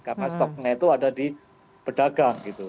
karena stoknya itu ada di pedagang gitu